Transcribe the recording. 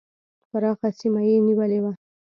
پراخه سیمه یې نیولې وه.